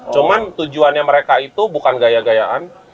cuman tujuannya mereka itu bukan gaya gayaan